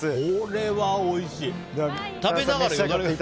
これはおいしい！